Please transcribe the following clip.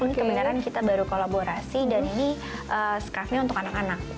ini sebenarnya kita baru kolaborasi dan ini scarf nya untuk anak anak